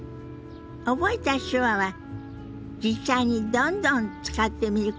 覚えた手話は実際にどんどん使ってみることが上達への近道よ。